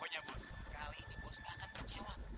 janganlah kau mencimalah dia